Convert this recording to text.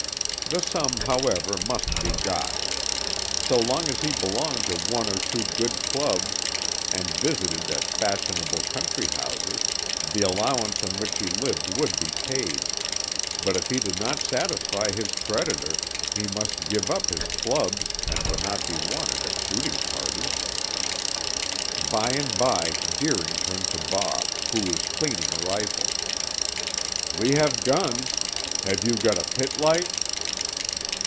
The sum, however, must be got. So long as he belonged to one or two good clubs and visited at fashionable country houses, the allowance on which he lived would be paid; but if he did not satisfy his creditor he must give up his clubs and would not be wanted at shooting parties. By and by Deering turned to Bob, who was cleaning a rifle. "We have guns. Have you got a pit light?"